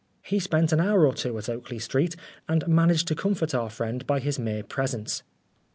He spent an hour or two at Oakley Street, and managed to comfort our friend by his mere presence.